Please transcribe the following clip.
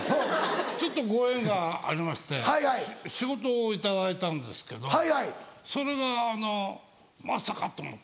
ちょっとご縁がありまして仕事を頂いたんですけどそれがまさかと思った。